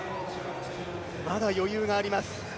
まだ余裕があります。